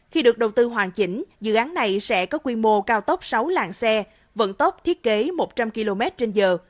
khi được đầu tư hoàn chỉnh dự án này sẽ có quy mô cao tốc sáu làng xe vận tốc thiết kế một trăm linh km trên giờ